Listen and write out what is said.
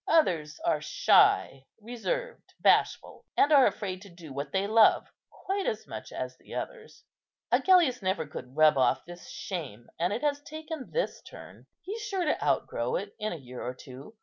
Others are shy, reserved, bashful, and are afraid to do what they love quite as much as the others. Agellius never could rub off this shame, and it has taken this turn. He's sure to outgrow it in a year or two.